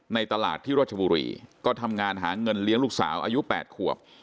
ในตลาดที่รัชบุรีก็ทำงานหาเงินเลี้ยงลูกสาวอายุ๘ขวบ